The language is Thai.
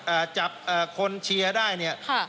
อ่าจับคนเชียร์ได้เนี่ย